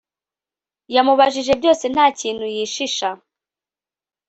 yamubajije byose nta kintu yishisha